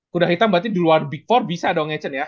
kuda hitam berarti di luar big four bisa dong ya chen ya